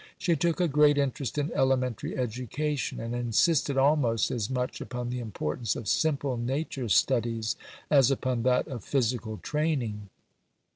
She took a great interest in elementary education, and insisted almost as much upon the importance of simple nature studies as upon that of physical training.